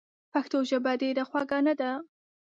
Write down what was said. پښتو ژبه ډېره خوږه نده؟!